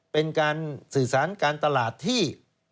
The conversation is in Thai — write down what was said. เป็นการสื่อสารการตลาดที่